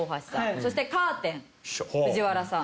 そしてカーテン藤原さん。